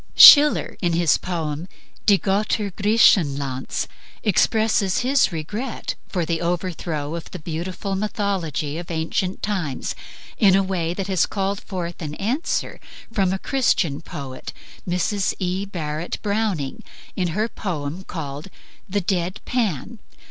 Schiller, in his poem "Die Gotter Griechenlands," expresses his regret for the overthrow of the beautiful mythology of ancient times in a way which has called forth an answer from a Christian poet, Mrs. E. Barrett Browning, in her poem called "The Dead Pan."